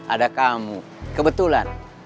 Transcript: ada kamu kebetulan